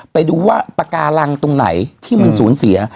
ไปดูว่าปากการังตรงไหนที่มันสูญเสีย